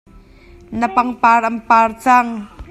Na pangpar an par cang.